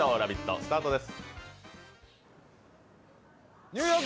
スタートです。